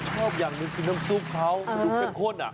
ชอบอย่างนึกถึงน้ำซุปเขาเป็นโคตรอ่ะ